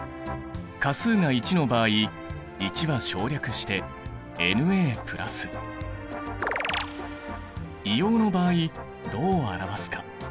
価数が１の場合１は省略して硫黄の場合どう表すか？